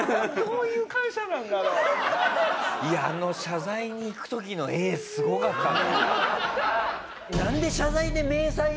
いやあの謝罪に行く時の絵すごかったね。